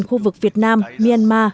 khu vực việt nam myanmar